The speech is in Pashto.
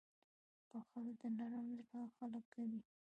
• بښل د نرم زړه خلک کوي.